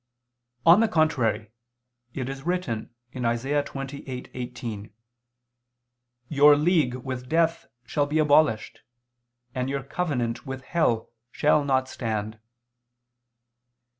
On the contrary, It is written (Isa. 28:18): "Your league with death shall be abolished, and your covenant with hell shall not stand."